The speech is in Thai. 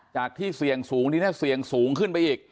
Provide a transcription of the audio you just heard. ที่เสี่ยงสูงทีนี้เสี่ยงสูงขึ้นไปอีก